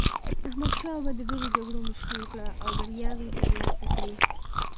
احمد شاه بابا د ډېرو جګړو مشري وکړه او بریاوي یې ترلاسه کړې.